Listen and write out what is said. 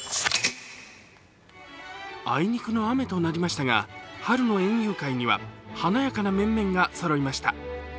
あいにくの雨となりましたが、春の園遊会には華やかな面々がそろいました。